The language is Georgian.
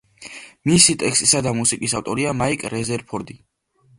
მისი ტექსტისა და მუსიკის ავტორია მაიკ რეზერფორდი.